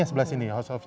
iya di sebelah sini